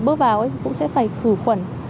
bước vào ấy cũng sẽ phải thử quẩn